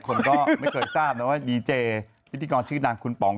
คนก็ไม่เคยทราบนะว่าดีเจพิธีกรชื่อดังคุณป๋อง